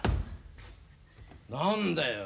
何だよ